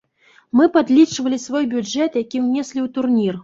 Мы падлічвалі свой бюджэт, які ўнеслі ў турнір.